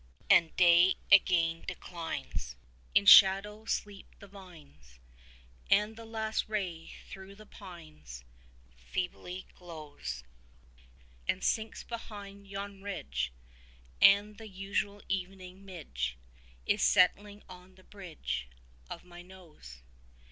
60 And day again declines: In shadow sleep the vines, And the last ray through the pines Feebly glows, Then sinks behind yon ridge; 65 And the usual evening midge Is settling on the bridge Of my nose.